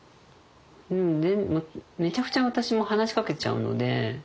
めちゃくちゃ私も話しかけちゃうので。